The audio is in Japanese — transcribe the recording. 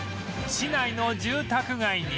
市内の住宅街に